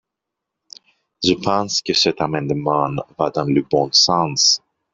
Je pense que cet amendement va dans le bon sens.